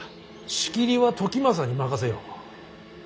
仕切りは時政に任せよう。